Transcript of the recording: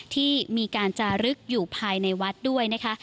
ที่มีการจารึกอยู่ภายในวัดด้วยนะคะ